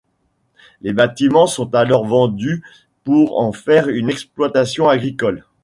Les bâtiments sont alors vendus pour en faire une exploitation agricole.